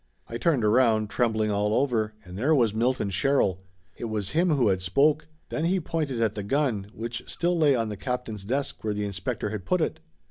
I turned around, trembling all over, and there was Milton Sherrill. It was him who had spoke. Then he pointed at the gun, which still lay on the captain's desk where the inspector had put it.